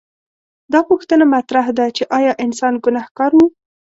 دا پوښتنه مطرح ده چې ایا انسان ګنهګار و؟